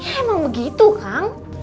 emang begitu kang